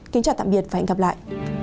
kính chào tạm biệt và hẹn gặp lại